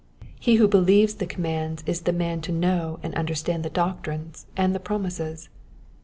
He who believes the commands is the man to know and understand the doctrines and the promises.